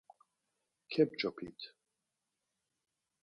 Kep̌ç̌opit!